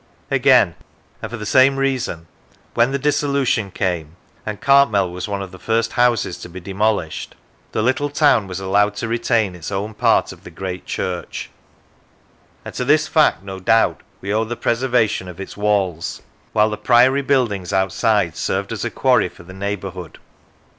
Again, and for the same reason, when the dissolution came (and Cartmel was one of the first houses to be demolished) the little towri was allowed to retain its own part of the great church, and to this fact no doubt we owe the preserva tion of its walls, while the Priory buildings outside served as a quarry for the neighbourhood.